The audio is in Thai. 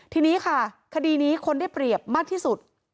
ทีนี้ค่ะคดีนี้คนได้เปรียบมากที่สุด